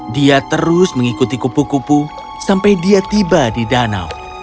dia terus mengikuti kupu kupu sampai dia tiba di danau